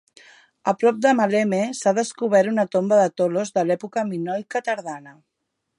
A prop de Maleme, s'ha descobert una tomba de tolos de l'època minoica tardana.